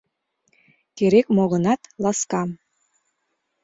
Керек-мо гынат, ласкан